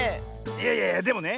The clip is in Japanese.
いやいやいやでもね